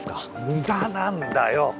無駄なんだよ。